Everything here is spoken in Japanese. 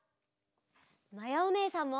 まやおねえさんも。